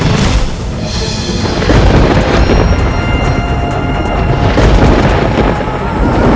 harus dipercaya istrinya